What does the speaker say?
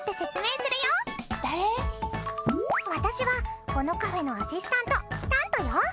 私はこのカフェのアシスタントタントよ。